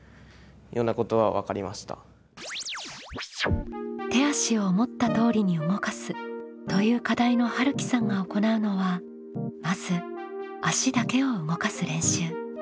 ちゃんと「手足を思った通りに動かす」という課題のはるきさんが行うのはまず足だけを動かす練習。